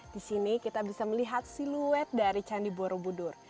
di sini kita bisa melihat siluet dari candi borobudur